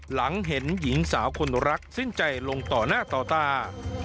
หลังเห็นหญิงสาวคนรักสิ้นใจลงต่อหน้าต่อตา